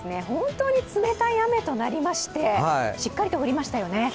本当に冷たい雨となりましてしっかりと降りましたよね。